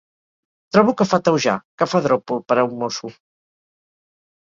Trobo que fa taujà, que fa dròpol per a un mosso…